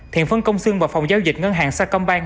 thiện phân công sương vào phòng giao dịch ngân hàng sa công bang